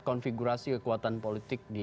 konfigurasi kekuatan politik di